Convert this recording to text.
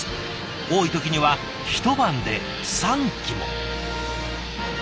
多い時には一晩で３機も。